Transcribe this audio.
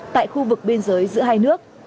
tại khu vực biên giới giữa hai nước